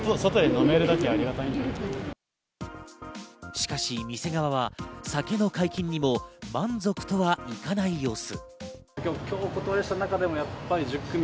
しかし店側は酒の解禁にも満足とはいかない様子。